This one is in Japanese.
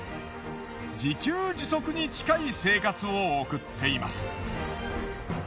自給自足に近い生活を送っています。